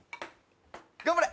頑張れ！